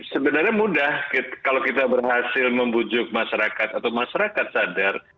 sebenarnya mudah kalau kita berhasil membujuk masyarakat atau masyarakat sadar